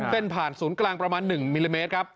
ผ่านศูนย์กลางประมาณ๑มิลลิเมตรครับ